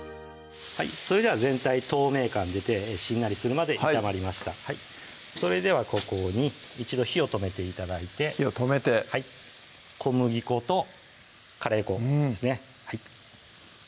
それでは全体透明感出てしんなりするまで炒まりましたそれではここに一度火を止めて頂いて火を止めてはい小麦粉とカレー粉ですね